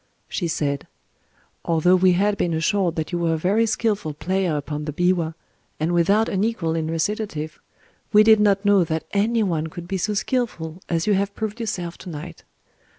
She said:— "Although we had been assured that you were a very skillful player upon the biwa, and without an equal in recitative, we did not know that any one could be so skillful as you have proved yourself to night.